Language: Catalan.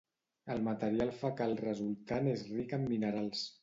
El material fecal resultant és ric en minerals.